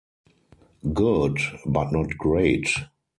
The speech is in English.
Good, but not great.